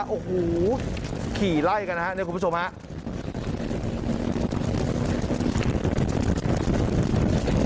โอ้โหขี่ไล่กันนะครับเนี่ยคุณผู้ชมครับ